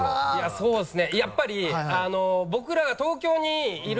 そうですね。